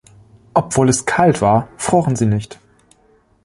Obwohl es kalt war froren sie nicht.